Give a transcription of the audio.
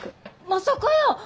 まさかやー！